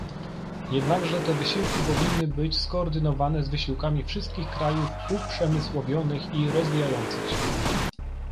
Jednakże te wysiłki powinny być skoordynowane z wysiłkami wszystkich krajów uprzemysłowionych i rozwijających się